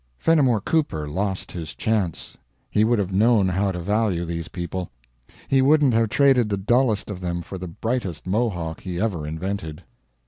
Fennimore Cooper lost his chance. He would have known how to value these people. He wouldn't have traded the dullest of them for the brightest Mohawk he ever invented.